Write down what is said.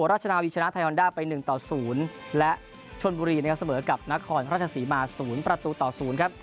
ราชนาวีชนะไทยฮอนด้าไป๑ต่อ๐และชนบุรีนะครับเสมอกับนครราชศรีมา๐ประตูต่อ๐ครับ